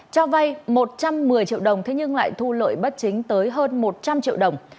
cho vay một trăm một mươi triệu đồng thế nhưng lại thu lợi bất chính tới hơn một trăm linh triệu đồng